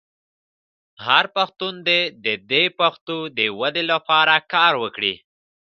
هر پښتون دې د پښتو د ودې لپاره کار وکړي.